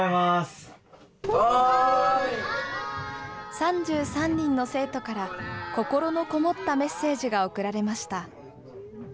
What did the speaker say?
３３人の生徒から、心の込もったメッセージが送られました。